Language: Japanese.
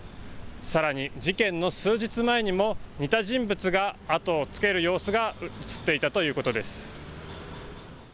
さらに事件の数日前にも似た人物が後をつける様子が写っていたということです。